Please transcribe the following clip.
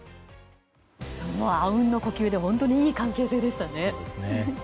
あうんの呼吸で本当にいい関係性でしたね。